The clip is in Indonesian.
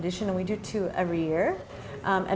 dan kami membuat dua periode setiap tahun